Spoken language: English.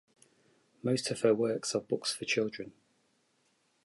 Most of her works are books for children.